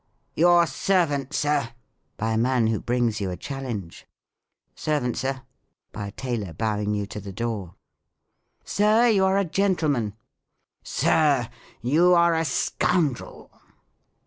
"Your servant. Sir" (by a man who brings you a challenge.) " 'Servant, Sir" (by a tailor bowing you to the door.) " Sir, you are a gentleman !"" Sir, you are a scoundrel